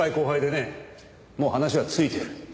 もう話はついてる。